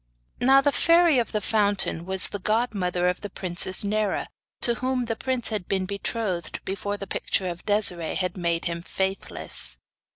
Now the Fairy of the Fountain was the godmother of the princess Nera, to whom the prince had been betrothed before the picture of Desiree had made him faithless.